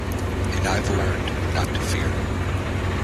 And I have learned not to fear.